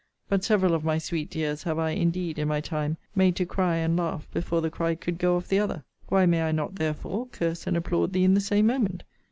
But several of my sweet dears have I, indeed, in my time, made to cry and laugh before the cry could go off the other: Why may I not, therefore, curse and applaud thee in the same moment?